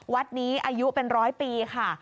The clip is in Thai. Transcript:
วัดนี้อายุเป็นร้อยปีค่ะ